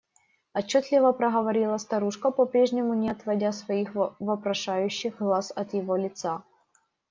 Отчетливо проговорила старушка, по-прежнему не отводя своих вопрошающих глаз от его лица.